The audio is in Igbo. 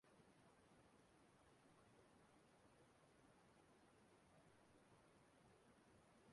ọ bụ efere kụwara akụwa ka nwaanyị ahụ ga-eji na-eri nri